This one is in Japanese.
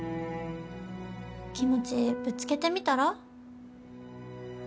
気持ちぶつけてみたら？